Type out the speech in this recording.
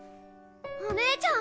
お姉ちゃん！